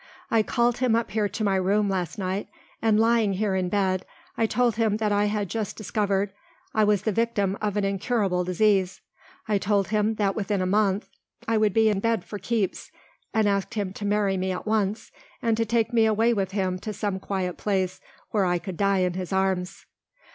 "I called him up here to my room last night and lying here in bed I told him that I had just discovered I was the victim of an incurable disease. I told him that within a month I would be in bed for keeps and asked him to marry me at once and to take me away with him to some quiet place where I could die in his arms."